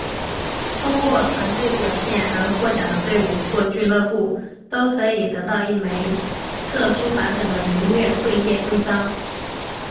通过团队表现而获奖的队伍或俱乐部可以得到一枚特殊版本的银月桂叶徽章。